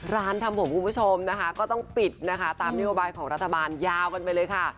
ร้านทำผนผู้ผู้ชมต้องปิดตามนโยบายของรัฐบาลยาวกันไปเลยค่ะ